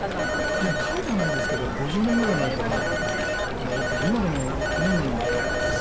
いや「家」じゃないですけど５０年ぐらい前から登ってて今でも年に３０ぐらい登ってる。